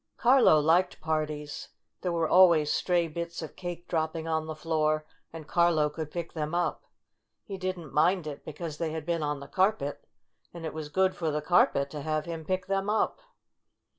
Carlo liked parties — there were always stray bits of cake dropping on the floor and Carlo could pick them up. He didn 't mind it because they had been on the carpet. And it was good for the carpet to have him pick them up.